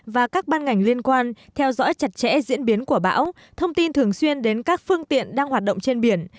và các ban ngành liên quan theo dõi chặt chẽ diễn biến của bão thông tin thường xuyên đến các phương tiện đang hoạt động trên biển